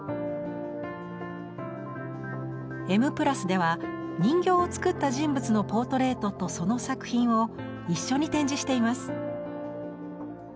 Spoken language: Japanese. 「Ｍ＋」では人形を作った人物のポートレートとその作品を一緒に展示しています。